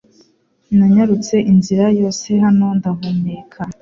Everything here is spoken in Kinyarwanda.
Nanyarutse inzira yose hano ndahumeka